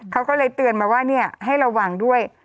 เขาก็เลยเตือนมาว่าให้ระวังด้วย